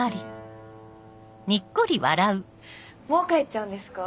もう帰っちゃうんですか？